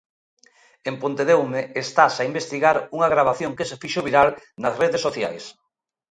En Pontedeume estase a investigar unha gravación que se fixo viral nas redes sociais.